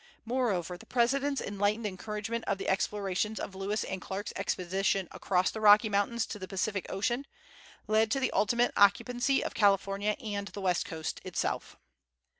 Moreover, the President's enlightened encouragement of the explorations of Lewis and Clarke's expedition across the Rocky Mountains to the Pacific Ocean, led to the ultimate occupancy of California and the west coast itself.